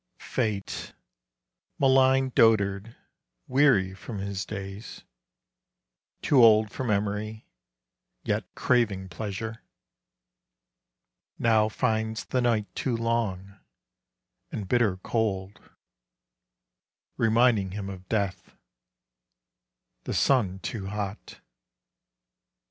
FATE, malign dotard, weary from his days, Too old for memory, yet craving pleasure, Now finds the night too long and bitter cold — Reminding him of death ;— the sun too hot.